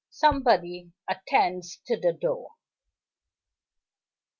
Somebody Attends to the Door.